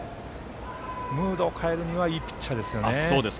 ムードを変えるにはいいピッチャーですよね。